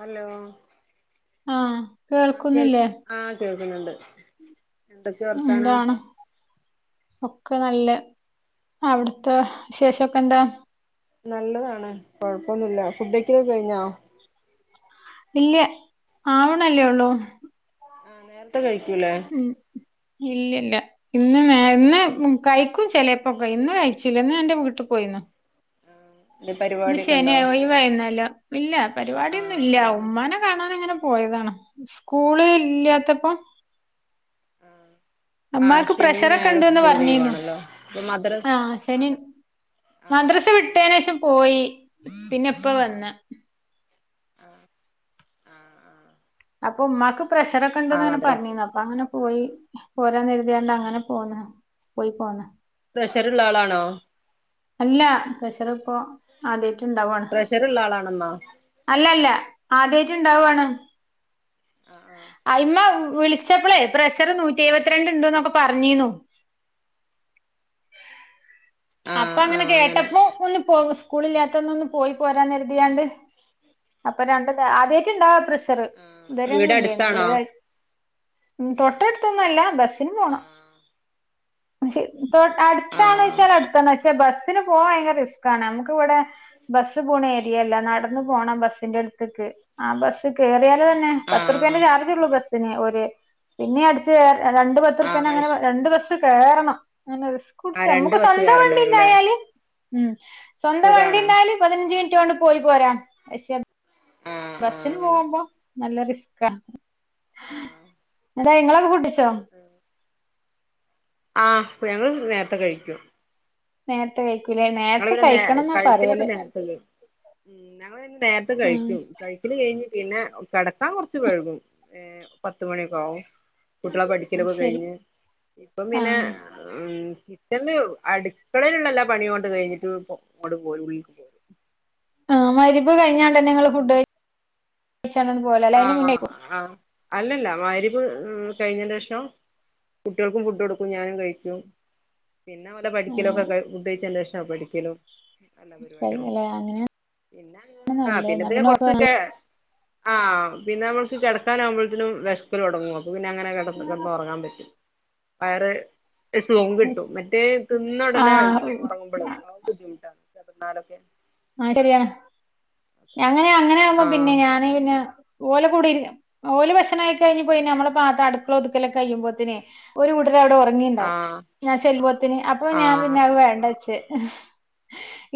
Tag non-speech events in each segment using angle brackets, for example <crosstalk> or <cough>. Hello ആഹ് ആ കേ കേൾക്കുന്നില്ലേ ആ കേൾക്കുന്നുണ്ട് എന്തൊക്കെയ വർത്താനം എന്താണ് ഒക്കെ നല്ല അവിടത്തെ വിശേഷൊക്കെ എന്താ നല്ലതാണ് കൊഴപ്പൊന്നുല്ല ഫുഡ ഒക്കിലക്ക കഴിഞ്ഞോ ഇല്ല ആവണല്ലേ ഉള്ളൂ ആഹ് നേരത്തെ കഴി യികുലേ ഇല്ല ഇല്ല ഇന്ന് ന ഇന്ന് കഴിക്കും ചിലപ്പൊ ഇന്ന് കഴിച്ചില്ല ഇന്ന് എൻന്റെ വീട്ടിൽ പോയിന്ന എന്തേ ഇ പരിപാടിയൊക്കെ ശന ഉണ്ടോ ഒയവായിന്നാലോ ഇല്ല ആ പരിപാടിയൊന്നുമില്ല ആ ഉമ്നെ കാണാാന ഇങ്ങനെ പോയതാണ് സ്കൂള് ഇല്ലാത്തപ്പ ആ അമ്മാക്ക് ശനിയും പ്രഷറൊക്കെ ഞായറും ഉണ്ടന്ന് സ്കൂള് പറഞ്ഞിന്നു ലീവാണല്ലോ ഇപ്പൊ മദ്രസ് ആ ശനി ആ മദ്രസ ആ വിട്ടന്ഷം പോയി പിന്നെപ്പ വന്ന ആ ആ ആ അപ്പൊ ഉമ്മാക് പ്രഷർ ഒക്കെ ഉണ്ട ആ ന്നന മദ്രസ് പറഞ്ഞിന്ന് അപ്പ അങ്ങനെ പോയി പോരാന്ന് എഴുതിണ്ട് അങ്ങനെ പോന്നുന്നു പോയി പോന്ന് പ്രഷർള്ള ആളാണോ അല്ല പ്രഷർ ഇപ്പൊ ആദ്യ ണ്ടാവാണ് പ്രഷറുള്ള ആളാണമ്മ അല്ലല്ല ആദ്യ ഉണ്ടാവാണ് ആ ഉമ്മ വിളിച്ചപ്പളേ ഷറ് നൂറ്റി ആ എഴുപത്തി രണ്ട് പറഞ്ഞീന്നു ആ അപ്പ ആ അങ്ങനെ കേട്ടപ്പോ ഒന്ന് പോ സ്കൂളില്ലാത്ത ഒന്ന് ഒന്ന പോയി പോരാന്ന് കരുതിണ്ട് അപ്പൊ രണ്ടത് ആദ്യമായിട്ട ഇണ്ടാവ ചെറ ഇതവരെൊന്നും വീട് ഇല്ലന്ന അടുത്താണോ ഗുളികായി ഉ ഏ തൊട്ടടുത്തൊന്നുംല്ല ബസിന് പോണം ആ മ അടുത്താണ ആഹ് വെച്ചാൽ അടു ബസ്സില് പോകാൻ ബയങ്കര റിസ്കാണ് നമ്മക്ക് ഇവിടെ ബസ് പോകുന്ന ഏരിയ അല്ല നടന്ന് പോണം ബസിന്റെ അട്ത്ത്ക്ക് അ ബസ് കേറിയ തന്നെ ആഹ് പത്ത്ർപേന്റെ ചാർജ് ഉള്ളൂ ബസ് ന്നെ ഒരു പിന്നെ അടുത്ത് രണ്ട് പത്ത്ർപ്യന ആഹ് അത് അങ്ങനെ ശരി രണ്ണ്ട് വർഷം കേറണം റിസ്ക് പുടിച്ച് മക്ക് ണ്ട വരൂല ഉം സ്വന്ത വണ്ടി ഉണ്ടായല് പതിനഞ്ച് മിനി ണ്ട് പോയി പോരാ ശെ ആഹ് ആഹ് ബസിന് അങ്ങനെ പോകുമ്പോ നല്ല റിസ്ക ആ ആഹ് അതാ ഇങ്ങളൊ കുട്ടി ച്ചോ ആഹ് ഞങ്ങള് നേരത്തെ കഴിക്കും നേരത്തെ കഴി ഞങ്ങ പിന്ന നേ കഴിക്കിലൊക്കെ നേരത്തെ ഉ ഞങ്ങന്നെ നേരത്തെ ഉം കഴിക്കും കഴിക്കൽ കഴിഞ്ഞ പിന്നെ കിടക്കാൻ കൊറച്ച് വെഴ്കും ഏ പത്തുമണിയൊക്കെ ആകും കുട്ടികളെ അത് പഠിക്കലൊക്കെ ശരി കഴിഞ്ഞ് ഇപ്പം പിന്നെ ആഹ് എ കിച്ചണ അടുക്കളയിലള്ളല്ലോ പണിണ്ട് അ കഴിഞ്ഞിട്ട് അങ്ങോട്ട് പോകും ഉള്ളില്ക്ക് പോകും ആ മരിപ്പ് കഴിഞ്ഞാണ്ട്ന്നെ ങ്ങള് ഫുഡ് കഴ <unintelligible> അയിന്റെ ആഹ് മുന്നേക്കൊ ആഹ് അല്ലല്ല മഗ്രിബ് കഴിഞേന്റെ ശേഷം കുട്ടികൾക്കും ഫുഡ് കൊടുക്കും ഞാനും കഴിക്കും പിന്നെ ഓലെ പഠിക്കലൊക്കെ അങ്ങനെ ഫുഡ്‌ കഴിച്ചെന്റെഷാ പഠി ക്കലും എല്ല പരിപാടികളും കഴിഞ്ഞല്ലേ അങ്ങനെയാണ് പിന്നെ ആ നല്ലത് പിന്നെ എന്നാ പിന്നെ ഓക്ക് കൊറച്ചൊക്കെ ആ പിന്നെ നമ്മക്ക് കെടക്കാനാമ്പോത്തിനും വെഷക്കൽ തൊടങ്ങും പിന്നെ അങ്ങനെ കെടന്നൊറങ്ങാൻ പറ്റും വയറ് സുഖം കിട്ടും മറ്റേ തിന്ന ഉടനെ ആഹ് ആകുമ്പളെ അ ബുദ്ധിമുട്ടാണ് <unintelligible> ആ ശെരിയാണ് ങ്ങനെ അങ്ങനാകുമ്പോ ആഹ് പിന്നെ ഞാന് പിന്നെ ഓലെകൂടെ ഇരു ഓല് ഭക്ഷണകഴിഞ്ഞ പോയി നമ്മള് പാ അടുക്കള ഒതുക്കലൊക്ക കഴിയുമ്പോത്ത്നെ ആഹ് ആഹ് <unintelligible>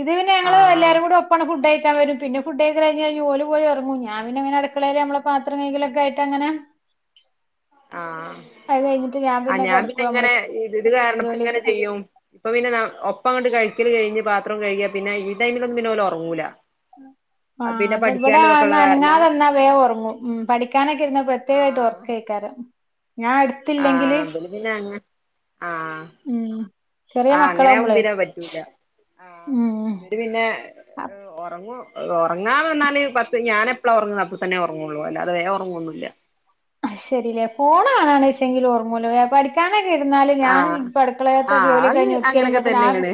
ഇത് പിന്നെ ഞങ്ങള് ആഹ് എല്ലാരും കൂടെ ഒപ്പ ഫുഡായി ക്കാം വെരും പിന്നെ ഫുഡ് കഴിഞ്ഞാഞ ഓല് പോയി ഒറങ്ങും ഞാ പിന്നെ അടുക്കളേല് നമ്മള പാത്രം കൈകലൊക്കായിട്ടങ്ങനെ ആ ആ ഞാൻ പിന്നെ കിടക്കും നമ്മള് ഇങ്ങനെ ഈ ഇത് കാരണം ഇപ്പ ഇങ്ങനെ ജോലിയൊക്കെ ചെയ്യും ഇപ്പൊ പിന്നെ ഒപ്പം അണ്ട് കഴിക്കല് കഴിഞ്ഞ് പാത്രം കഴുകി പിന്നെ ഇ ആ പിന്നെ അത് ഇവിടെ പഠിക്കാനും ആ ഇതൊക്കെള്ള കാരണം അനങ്ങാതന്നാ വേഗം ഒറങ്ങും ഉം പഠിക്കാനൊക്കെ ഇരുന്ന പ്രത്യേകായിട്ട് ആഹ് ഒർക്കേയ്ക്കാരം ഞാൻ എടുത്തില്ലെങ്കില് ആ ചെറിയ ആ അങ്ങനാകുമ്പോ മക്കളാവുമ്പളേ പിന്നെ അത് പറ്റൂല്ല ആ ഉം ഇവര് പിന്നെ ഒറങ്ങും ഒറങ്ങാ വന്നാല് പത്ത് ഞാനെപ്പളാ ഒറങ്ങുന്നത് അപ്പതന്നെ ഒറങ്ങള്ളൂ അല്ലാതെ വേം ഒറങ്ങൊന്നുല്ല ശെരില്ലേ ഫോൺ ആണാണ് ച്ചെങ്കില് ഒറങ്ങുല്ല വെ പഠി <unintelligible> ഇരുന്നാലും ഞാൻ ആഹ് അടുക്കളത്തെ ആഹ് ജോലിയൊക്കെ അത് കഴിഞ് അങ്ങനൊക്കെ ഒതുക്കരുമ്പോ തന്നെയാണ്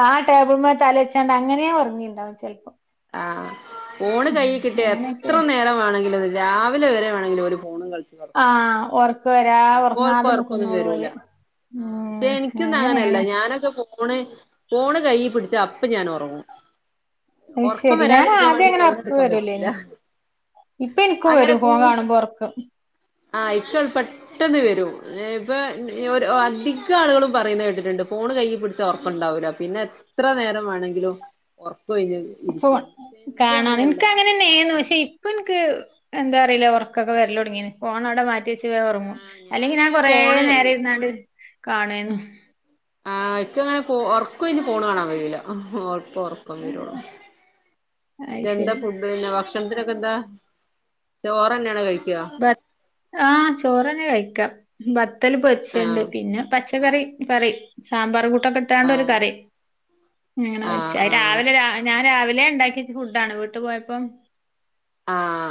ആ ടേബിൾ ആഹ് തലവെച്ച്ങ്ങാ അങ്ങനെയെ ഒറങ്ങിണ്ടാവും ചെലപ്പോം ആ ഫോണ് കയ്യു കിട്ടിയ അങ്ങനെയൊക്കെ എത്ര നേരം വാണെങ്കിലും അത് രാവിലെ വരെ വാണെങ്കിൽ ഓല് ഫോണും കളി ആ ഉറക്ക് വരാ ഓൽക്ക് ഉറങ്ങാതെ ഒറക്കൊന്നും നക്കുന്നോളൂ വരൂല പോല് ആഹ് ഉ പക്ഷെ എനിക്കൊന്നും അങ്ങനെയല്ല അങ്ങനെയാണ് ഞാനൊക്കെ ഫോണ് ഫോണ് കൈ പിടിച്ച അപ്പ ഞാൻ ഉറങ്ങും അത് ശെരി ഞാനാദ്യം എങ്ങനെ ഒർക്കവരൂലേ പറ്റൂല ഇനി ഇപ്പൊ എനിക്കും വരും ഫോൺ കാണുമ്പോ ഉറക്കം ആ ഇപ്പോൾ പെട്ടെന്ന് വരും ഇപ്പൊ അധികം ആളുകളും പറയുന്ന കേട്ടിട്ടുണ്ട് ഫോൺ കൈ പിടിച്ചാ ഉറക്കുണ്ടാവൂല പിന്നെ എത്ര നേരം വേണമെങ്കിലും ഉറക്ക കഴിഞ്ഞ ഫോൺ കാണാം നിനക്ക് അങ്ങനെന്നെയ ആയിരുന്നു പക്ഷെ- ഇപ്പൊ എനിക്ക് എന്താ അറിയില്ല ഉറക്കൊക്കെ വരില്ല തുടങ്ങി ഫോണ അവിടെ മാറ്റി വെ ക ഉറങ്ങു ആഹ് അല്ലെങ്കി ഞാന് ഞാൻ കുറെ ഫോണ് നേരം ഇരുന്നാണ്ട് കാണേന്നു ആ എക്കങ്ങനെ ഒർക്കും ഇന്ന് പോണ് കാണാൻ കഴില ഒറക്കം വരുള അത് എന്താ ശരി ഫുഡ്ന്നെ ഭക്ഷ ചന്ദനൊക്കെ എന്താ ചോറന്നെയാണ് കഴിക്ക ആഹ ചോറ്നെ കഴിക്കാം ബ മുട്ട പൊരിച്ചത് ഉണ്ട് ആഹ് പിന്നെ പച്ചക്കറി കറി സാമ്പാർ <unintelligible> ഇടാണ്ട് ഒരു ആഹ് കറി, ഞാൻ ആഹ് ആഹ് രാവിലെ വച്ച് ല്ല ഉണ്ടാക്കി ഫുഡ ആണ് വീട്ട് പോയപ്പം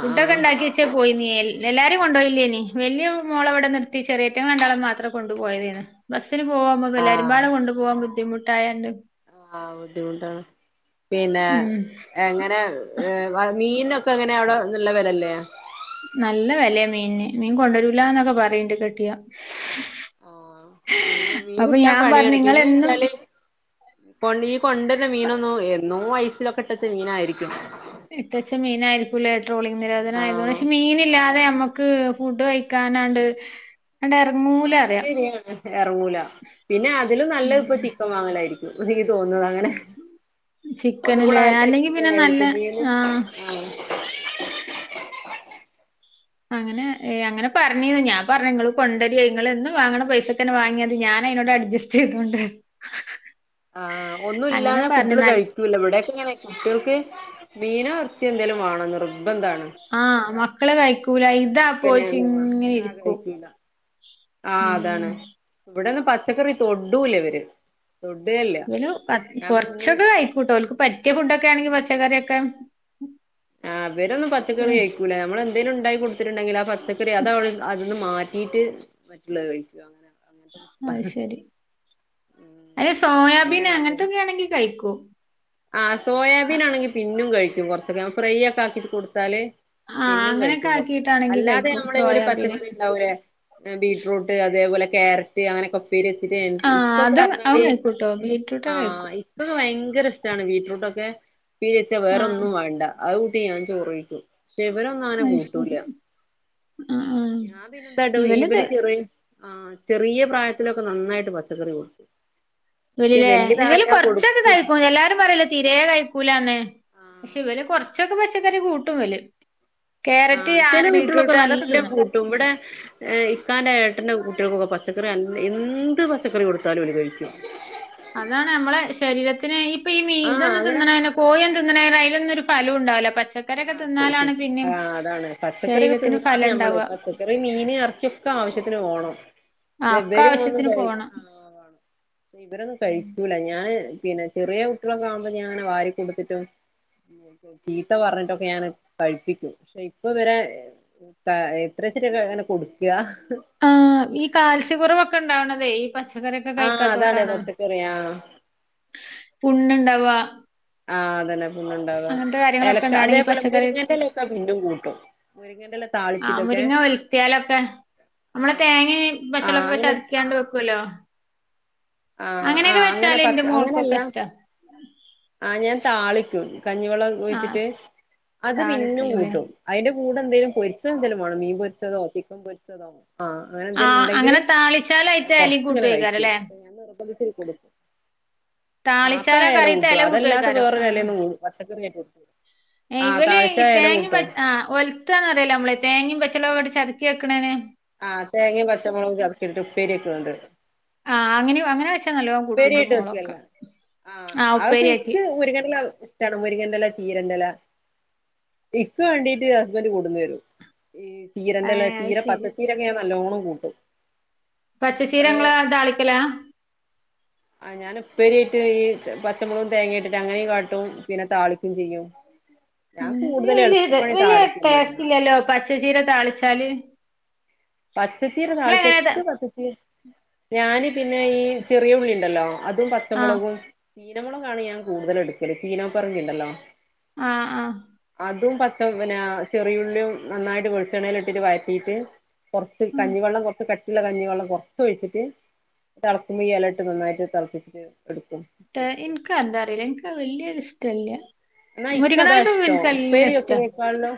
ഫുട്ടൊക്കെ ആഹ് ഉണ്ടാക്കി വെച്ചേ പോയി നീല്ല എല്ലാരും കൊണ്ടുപോയില്ലേനി വല്യ മോള ഇവിടെ നിർത്തി ചെറിയ രണ്ടാളെയും മാത്രം കൊണ്ടുപോയതേന്ന് ബ പോകുമ്പോല്ലരുമ്പാട് കൊണ്ട് പോക്പോ ബുദ്ധിമുട്ടായന്ന് ആ ബുദ്ധിമുട്ടാണ് പിന്നെ ഉം എങ്ങനെ മീനൊ ഇപ്പ എങ്ങനെയ അവിടെ നല്ല വിലല്ലേ നല്ല വിലയ മീന മീൻ കൊണ്ടരു ല്ലന്നൊക്ക പറയിണ്ട് കിട്ടിയ <inaudible> ആ മീന കിട്ടാൻ ഞാൻ പറഞ്ഞു പണിയാണ് പിന്നെ നിങ്ങളെന്നും വെച്ചാല് കൊണ്ടന്ന മീനൊന്നുംഏ എന്നോ ഐസ്സിലൊക്കെ ഇട്ടച്ച മീനായിയിരിക്കും. ഇട്ടച്ച മീനായിരിക്കൂലേ ട്രോളിംഗ് നിരോധന ആയത് കൊണ്ട്. ആഹ് പക്ഷെ മീനില്ലാതെ അതെ നമ്മുക്ക് ഫുഡ് കഴ കഴിക്കാനായിട്ട് ആ അത് ശരിയാണ് എറങ്ങൂല പിന്നെ അതിലും നല്ലത് ഇപ്പ ഉം ചിക്കൻ വാങ്ങലായിരിക്കും. ഒരിത്‌ തോന്നത് അങ്ങനെ. ഒന്നും കൂടെ ചിക്കനില്ലേ നല്ല അല്ലെങ്കി പിന്നെ നല്ല ചിക്കനായിരിക്കും മീന് ആ ആഹ് അങ്ങനെ ഏ അങ്ങനെ പറഞ്ഞത് ഞാൻ പറഞ്ഞ നിങ്ങള് കൊണ്ടരിയ, നിങ്ങളു എന്നു വാങ്ങണം പൈസൊക്കെന്നെ വാങ്ങിയത് ഞാ അതിനോട് അടു ജസ്റ്റ് ഇപ്പോണ്ട്. ആ ഒന്നുംല്ലാതെ കുട്ടികള് കഴിക്കൂല ഇവിടെക്കെ ഇങ്ങനെ കുട്ടികൾക്ക് മീനോ ഇറച്ചിയോ എന്തേലും വേണം നിർ ആ മ കള് കഴി സ്കൂല ഇതാ ചിക്കന് പോശ ഒന്നും വേണ്ട ഇങ്ങനെ ആഹ് ഇരിക്കൂ കഴിക്കൂല ആഹ് അതാണ് ഉം ഇവിടൊന്നും പച്ചക്കറി തൊടൂല ഇവര്. തൊടേല്ല ഒരു <unintelligible> ഞാൻപ്പ കുറച്ച് ഇന്ന് ഒക്കെ കഴിക്കു കേട്ടോ, ഓൾക്ക് പറ്റിയ ഫുഡ് ഒ ക്കണാങ്കിൽപച്ചക്കറിയെക്കെ ആ അവരൊന്നും പച്ചക്കറി കഴക്കൂലേ നമ്മൾ എന്തേലും ഉണ്ടായി കൊടുത്തിട്ടുണ്ടെങ്കിൽ ആ പച്ചക്കറി അത് അവിട്ന്ന് അതൊന്ന് മാ റ്റിട്ട് മറ്റുള്ളത് കഴിക്കവൊ? അങ്ങനെ അങ്ങനത്തെ അത് ശെരി, ഉം അത് സോയാബീൻ അങ്ങനെയാണ് അപ്പൊ അങ്ങനത്തൊക്കെ ആണെങ്കി കഴിക്കും. ആ സോയാബീൻ ആണെങ്കി പിന്നും കഴിക്കും. <unintelligible> കുറച്ചൊക്കെ ഫ്രൈ ഒക്കെ ആക്കിട്ട് കൊടുത്താല് ആഹ് പിന്നും അങ്ങനെയൊക്കെ കഴിക്കും കുറച്ചൊക്കെ ആക്കിയിട്ടാണെങ്കി അല്ലാതെ കഴിക്കും നമ്മളങ്ങനെ സോയാബീന്. പച്ചക്കറി ഉണ്ടാവൂലെ ങ ബീറ്റ്റൂട്ട് അതേപോലെ ക്യാരറ്റ് അങ്ങനൊക്കെ പേര് വച്ചിട്ടേ ഇ ആഹ് ഇപ്പൊ അതും അതും പറഞ്ഞാല് കഴിക്കൂട്ടോ ആ ബീറ്റ്റൂട്ടൊക്കെ കഴിക്കും. ഇപ്പൊ ഭയങ്കര ണ് ബീറ്റ്റൂട്ട് ഒക്കെ പിരിച്ച വേറെ ആഹ് ഒന്നും വേണ്ട, അത് ട്ട് ഞാൻ ചോറു കഴിക്കും. ഇവരൊന്നു അത് ശരി. അങ്ങനെകൂട്ടൂല, ആഹ് ആഹ് ഞാൻ പിന്നെ എന്തായിട്ട് ഇവലിത് ഇവര് ചിറയ് ആ ചെറിയ പ്രായത്തിലൊക്കെ നന്നായിട്ട് പച്ചക്കറി കൊടുത്തു. ഇവരില്ലേ ഇവല് കുറച്ചൊക്കെ കയ്ക്കും എല്ലാ പറല തീരെേ കഴിക്കൂലന്ന് ആ പക്ഷെ ഇവര് കുറ കുറച്ചൊക്കെ പച്ചക്കറി കൂട്ടും, ഇവല്. ആ ക്യാരറ്റ് ചെല കുട്ടികളൊക്കെ ബീറ്റ്റൂട്ട് അതൊക്കെ നല്ല തിന്നും കൂട്ടും ഇവടെ യെ ഇക്കാന്റെ ഏട്ടൻ്റെ കുട്ടികൾക്കൊക്കെ പച്ചക്കറി ന്ന് എന്ത് പച്ചക്കറി കൊട്ത്താലും അവര് കഴിക്കും. ശരീരത്തിനെയി ഇപ്പം ഈ മീ ആ ഇതൊന്ന് അങ്ങനെ തിന്നണോന്ന് കോഴി തിന്നണോ അതിലൊന്നു ഒര് ഫലോ ഒണ്ടാവില്ലാപച്ച ആ ആ അതാണ് പച്ചക്കറിയൊക്കെ ശരീരത്തിന് തിന്നാന്ന് ഫലം ഞമ്മള് ഉണ്ടാവുക പച്ചക്കറി, മീന്, ഇറച്ചിയൊക്കെ ആവശ്യത്തിന് വോണം. ആ ഒക്കേ ആവശ്യത്തിന് പോണം ആഹ് വേണം ഇവരൊന്നും കഴിക്കൂലാ ഞാന് പിന്നെ ചെറിയ കുട്ടികളൊക്കെ ആവുമ്പോ ഞാൻ വാരി കൊടുത്തിട്ട് ചെയ് ത്ത പറഞ്ഞിട്ടൊക്കെ ഞാന് കഴിപ്പിക്കും പക്ഷെ ഇപ്പം ഇവരെ ക എത്രച്ചെ കൊടുക്ക്യാ ആ ഈ കാൽസ്യം കൊറവൊക്കെ ഒണ്ടാവണതേ ഈ ച്ച കറിയൊക്കെ ആഹ് അതാണ് കഴിക്കാത്തൊണ്ടാണോ പച്ചക്കറി ആഹ് പുണ്ണുണ്ട വാ ആ അതന്നെ ണ്ടാവാ കാര്യങ്ങളൊക്കെ ഇലക്കാ ഉണ്ടാവണ ഈ അതേപോലെ പച്ചക്കറി മുരിങ്ങേന്റെ ഇലേക്കെ പിന്നും കൂട്ടും ഒര് ആ മുരിങ്ങ ഒലത്തിയാലൊക്കെ നമ്മള് ആഹ് തേങ്ങയെ ആഹ് പച്ചളൊക്കെക്കെ അങ്ങനെ ചതക്കാണ്ട് വെക്കല്ലോ ആആ അങ്ങനെ വെച്ചാല് എന്റെ പച്ചാ അങ്ങനല്ല മോൾക്കൊക്കെ ഇഷ്ടാ ആ ഞാൻ താളിക്കും കഞ്ഞിവെള്ളം ആഹ് ഒഴിച്ചിട്ട് അത് പിന്നും താളിക്കലല്ലേ കൂട്ടും അയിന്റെ കൂടെ എന്തേലും പൊരിച്ചേ എന്തേലും വേണം മീൻ പൊരിച്ചതോ ചിക്കൻ പൊരിച്ചതോ ആഹ് അങ്ങനെ ആ എന്തേലും ഉണ്ടെങ്കില് അങ്ങനെ താളിച്ചാ അയിൻ്റെ എലായും കൂട്ട് വാരിക്കും അല്ലേ <unintelligible> അപ്പാ ആ താളിച്ചാല് എല കറിയത്തെ കൂട്ടു അതാല്ലാതെ കൂട്ടുവയ്ക്കാരം വേറെര് എലയെന്നും കൂട്ടുല്ലാ പച്ചക്കറി ഇവലെ ഈ തേങ്ങേമ് കൂട്ടും പച്ച ആഹ് ഒലത്തുക എന്നു പറയൂലെ നമ്മള് തേങ്ങേ പച്ച മൊളകും ഒട <unintelligible> വെക്കണേന് ആ തേങ്ങയും പച്ചമൊളകും ചതച്ച്ക്കി ഇട്ട് ഉപ്പേരി വെക്കണുണ്ട് ആ അങ്ങനയും അങ്ങനെ നല്ലോം കൂട്ടും ഇന്റെ ഉപ്പെരിയായിട്ട് വെക്കയല്ല മോളൊക്കെ ആ ആഹ് അതൊക്ക ഉപ്പേരിയാക്കി ഇക്ക് മുരങ്ങെന്നൻ്റെ ഇല ഇഷ്ടമാണ് മുരിങ്ങെന്നൻ്റെ എലെ ചീരെന്റെ ഇല എനിക്ക് വേണ്ടീട്ട് ഹസ്ബൻ്റെ കൊടുന്ന് തരും ഈ ചീരന്റെ എലാ ഏഹ് അത് ചീര പച്ച ശരി ചീരൊക്കെ ഞാൻ നല്ലോണം കൂട്ടും പച്ച ചീര അത് നിങ്ങള് താളിക്കലാ ആ ഞാന് ഉപ്പേരി ആയിട്ട് ഈ പച്ചമൊളകും തേങ്ങ ഇട്ടിട്ട് അങ്ങനെയും കാട്ടും പിന്നെ താളിക്കേം ചെയ്യും ഞാൻ അത് കൂടുതൽ വലിയ ടെ എളുപ്പപ്പണി വലിയ താളിക്കന്നെ ചെയ്യാ ടേസ്റ്റില്ലല്ലോ പച്ചചീര താളിച്ചാല് പച്ചച്ചീര താള്ച്ച ഇങ്ങളെങ്ങനെ താ ഇച്ച് പച്ചച്ചീര ഞാന് പിന്നെ ഈ ചെറിയ ഉള്ളി ഉണ്ടല്ലോ അതും ആഹ് പച്ചമുളകും ചീനമുളകാണ് ഞാൻ കൂടുതലെടുക്കല് ചീന പറങ്കിണ്ടല്ലോ ആ ആ അതും പച്ച പിന്നെ ചെറിയുള്ളിം നന്നായിട്ട് വെളിച്ചെണ്ണേല്ട്ടിട്ട് വയറ്റീട്ട് കൊർച്ച് ഉം കഞ്ഞിവെള്ളം കൊർച്ച് കട്ട് യുള്ള കഞ്ഞിവെള്ളം കൊർച്ച് ഒഴിച്ചിട്ട് തൾക്കുമ്പോ ഈ എല ഇട്ട് നന്നായിട്ട് തൾപ്പിച്ചിട്ട് ട്ട് ഇൻക്ക് എന്താ അറീല്ല ഇൻക്ക് വല്യരു യൊരു ഇഷ്ടല്ല ന്നാ ഇൻ ക്കതാ മുരിങ്ങതാളിപ്പൊക്കെ ഇഷ്ടം ഇൻക്ക് നല്ല ഉപ്പേരി ഇഷ്ടാ വെക്കുന്നെക്കാൾ ളും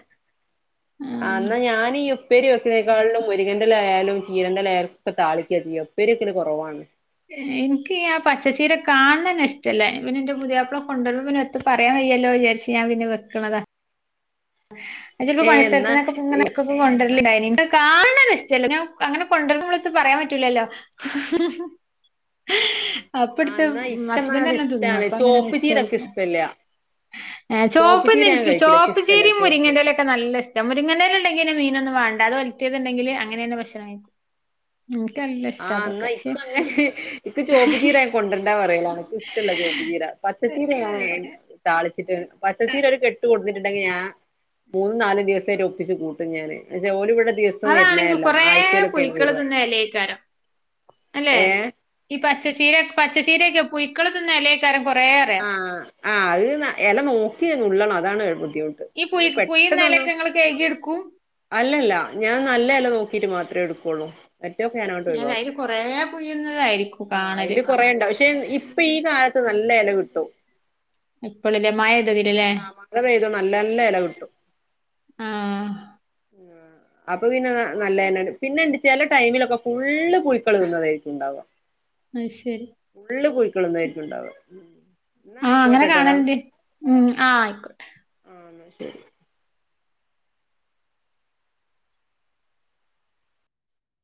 ആ ആഹ് ഇന്ന ഞാന് ഈ ഉപ്പേരി വെക്ക്നേക്കാളും മുരിങ്ങന്റെലയാലും ചീരന്റെലയാലും ഒ ക്കെ താളിക്കാ ചെയ്യാ ഉപ്പേരിക്കല് കൊർവാണ് ഇൻക്കി ആ പച്ചചീര കാണ് ണന്നെ ഇഷ്ടല്ല എ പിന്നെന്റെ പുതിയാപ്പ്ള കൊണ്ടർമ്പോ എന്ത് പറയാൻ വയ്യല്ലോ വിചാർച്ച് ഞാൻ പിന്നെ വെക്ക്ണതാ <unintelligible> ഏ പണിസൽത് എന്നാ ന്നകെ ക്ക കൊണ്ടു ണ്ടായീനി ഇൻ ക്ക് കാൺണനെ ഇഷ്ടല്ല ഞാൻ അങ്ങനെ കൊണ്ടർമ്പോ എത്ത് പറയാൻ പറ്റൂലല്ലോ ആ അപ്പട്ത്ത്‌ എന്നാ ഇക്കെന്നാ ഹസ്ബൻറ്റല്ലോം തിന്നും ഇഷ്ടാണ് അപ്പങ്ങനെ ചോപ്പ് ചീരക്ക് വെച്ചൊട്ക്കാ ഇഷ്ടല്ല ഏ ചോപ്പ് ചോപ്പ്ൻ ചീര ഞാൻ ക്ക് കഴിക്കില്ല ഇക്ക് ചോപ്പി ഇഷ്ടല്ല ചീരിം ചോപ്പ് മുരിങ്ങന്റെലൊക്കെ നല്ല ഇഷ്ടാ മുരിങ്ങന്റെല ഇണ്ടെങ്കിന്നെ മീനൊ ന്നും വേണ്ട അത് ഒൽത്തിയത്ണ്ടെങ്കില് അങ്ങനെന്നെ ഭക്ഷണം കയ്ക്കും. ആ ന്നാ ഇക്കങ്ങനെ ഇക്ക്ചോ പ്പ്ച്ചീര കൊണ്ടർണ്ടാ പർ റയലാ ണ് ഇഷ്ടല്ല ചോപ്പ് ചീര പച്ചച്ചീര ഞാന് താളിച്ചിട്ട് പച്ച ചീര ഒരു കെട്ട് കൊട്‌ന്നിട്ടുണ്ടെങ്കിഞാ മൂന്നും നാലും ദിവസായിട്ട് ഒപ്പിച്ച് കൂട്ടും ഞാന് പക്ഷേ ഓല് കൂ അതാണെങ്കി കൊറേ പൊയ്ക്കള് വരിക തിന്ന എലെ ക്കാരം അല്ലെ ഏഹ് ഈ പ ച്ചീര പച്ചച്ചീരൊക്കെ പുയ്ക്കള് തിന്നലേക്കാരം ആ ആ അത് എല നോക്കി നുള്ളണം <unintelligible> ദ്ദിമുട്ട് ഈ പുഴു ഞമ്മക്ക് പുഴുന്ന പെട്ടെന്നന്നും എലയൊക്കെ ഇങ്ങള് കഴുകി എടുക്കും അല്ലല്ല ഞാൻ നല്ല എല നോക്ക് <unintelligible> മാത്രേ എട്ക്കൊള്ളൂ മറ്റോക്കെഞാനങ്ങട് ഒയ് അല്ല അയില് വാക്കും കൊറേ പുഴുന്നതായിരിക്കും ആ കാണല് അയ്ല് കൊറേണ്ട് പ ക്ഷേ ഇ ഇപ്പൊ ഈ കാലത്ത് നല്ല എല കി ട്ടും ഇ പ്പോളല്ലേ മഴിം ആ മഴ പെയ് തോണ്ടിരി നല്ല നല്ല എല കിട്ടും ആഹ് ഉം അപ്പൊ പിന്നെ നല്ലഅ ന്നെ പിന്നെണ്ട് ചെ ല ടൈമിലൊക്കെ ഫുള്ള് പൂയ്ക്കൽ തിന്നതായിര് ക്കും ഉണ്ടാക അത് ശരി ഫുള്ള് ന്നായിരിക്കുംണ്ടാവ ആഹ അങ്ങനെ കാണൽ ണ്ട് ഉം ആഹ ക്കോട്ടെ ആ ശരി